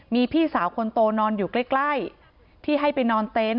มีพี่สาวคนโตนอนอยู่ใกล้ที่ให้ไปนอนเต็นต